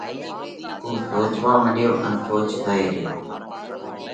اُو سوچوا مڏيو ان سوچتو ريو۔